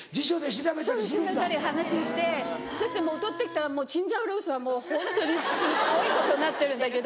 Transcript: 調べたり話ししてそして戻ってきたらもうチンジャオロースーはもうホントにすごいことになってるんだけど。